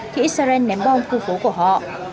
khi israel ném bom khu phố của họ